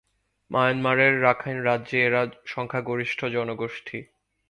মায়ানমারের রাখাইন রাজ্যে এরা সংখ্যাগরিষ্ঠ জনগোষ্ঠী।